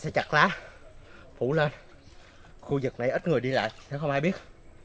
đi ra vùng đất